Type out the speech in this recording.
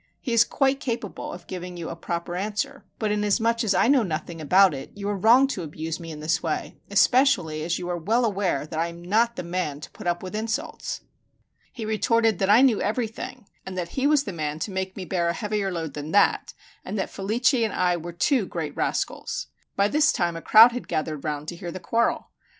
He is quite capable of giving you a proper answer; but inasmuch as I know nothing about it, you are wrong to abuse me in this way, especially as you are well aware that I am not the man to put up with insults." He retorted that I knew everything, and that he was the man to make me bear a heavier load than that, and that Felice and I were two great rascals. By this time a crowd had gathered round to hear the quarrel.